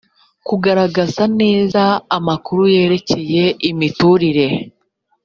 kugaragaza neza amakuru yerekeye imiturire